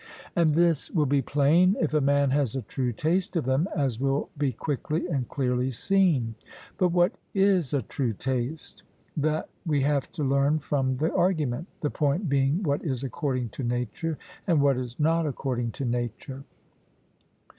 And this will be plain, if a man has a true taste of them, as will be quickly and clearly seen. But what is a true taste? That we have to learn from the argument the point being what is according to nature, and what is not according to nature.